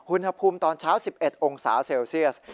อุณหภูมิตอนเช้า๑๑องศาเซลเซียส